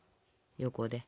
横で。